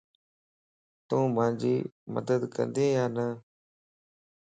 تون مانجي مدد ڪندي يا نا؟